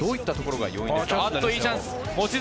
いいチャンス、望月！